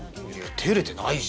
照れてないし！